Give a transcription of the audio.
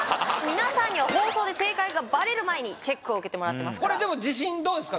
皆さんには放送で正解がバレる前にチェックを受けてもらってますから自信どうですか？